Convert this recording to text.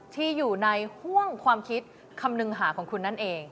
ที่อยู่ในห่วงความคิดคำนึงหาของคุณนั่นเอง